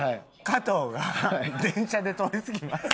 加藤が電車で通り過ぎます。